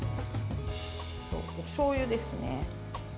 おしょうゆですね。